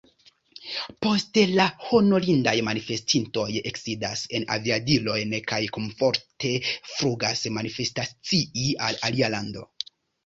Poste la honorindaj manifestintoj eksidas en aviadilojn kaj komforte flugas manifestacii al alia lando.